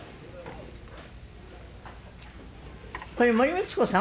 これ森光子さん？